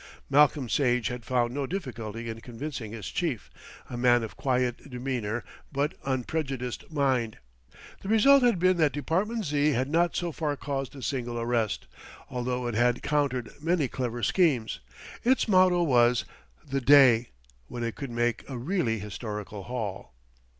Malcolm Sage had found no difficulty in convincing his chief, a man of quiet demeanour, but unprejudiced mind. The result had been that Department Z. had not so far caused a single arrest, although it had countered many clever schemes. Its motto was "The Day" when it could make a really historical haul.